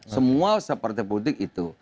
semua separtai politik itu